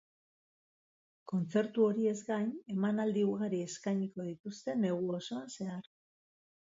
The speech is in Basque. Kontzertu horiez gain, emanaldi ugari eskainiko dituzte negu osoan zehar.